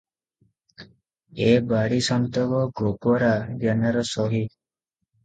ଏ ବାଡ଼ି ସନ୍ତକ ଗୋବରା ଜେନାର ସହି ।